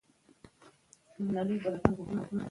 ټول دروغ دي